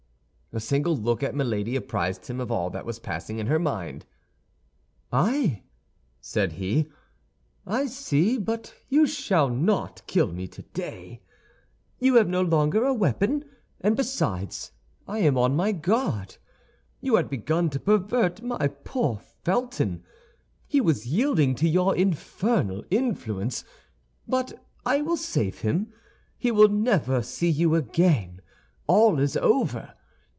A single look at Milady apprised him of all that was passing in her mind. "Ay!" said he, "I see; but you shall not kill me today. You have no longer a weapon; and besides, I am on my guard. You had begun to pervert my poor Felton. He was yielding to your infernal influence; but I will save him. He will never see you again; all is over.